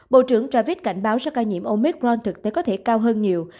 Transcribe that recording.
bộ trưởng ravich cảnh báo số ca nhiễm omicron thực tế có thể cao hơn nhiều